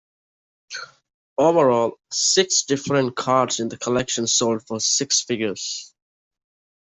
Overall, six different cards in the collection sold for six figures.